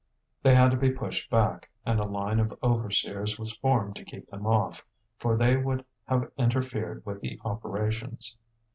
They had to be pushed back, and a line of overseers was formed to keep them off, for they would have interfered with the operations.